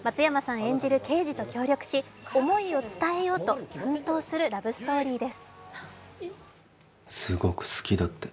演じる刑事と協力し思いを伝えようと奮闘するラブストーリーです。